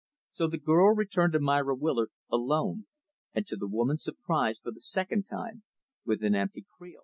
So the girl returned to Myra Willard, alone; and, to the woman's surprise, for the second time, with an empty creel.